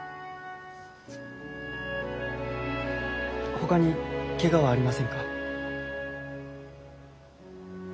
ほかにけがはありませんか？